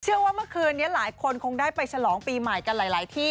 ว่าเมื่อคืนนี้หลายคนคงได้ไปฉลองปีใหม่กันหลายที่